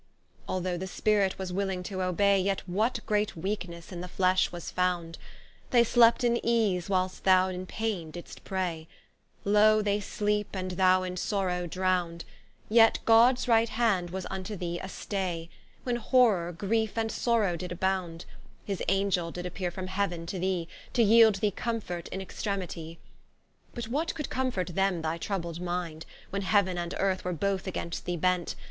Although the Spirit was willing to obay, Yet what great weaknesse in the Flesh was found! They slept in Ease, whilst thou in Paine didst pray; Loe, they in Sleepe, and thou in Sorow drown'd: Yet Gods right Hand was vnto thee a stay, When horror, griefe, and sorow did abound: His Angel did appeare from Heaven to thee, To yeeld thee comfort in Extremitie. But what could comfort them thy troubled Minde, When Heaven and Earth were both against thee bent?